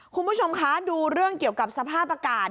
คุณผู้ชมคะดูเรื่องเกี่ยวกับสภาพอากาศ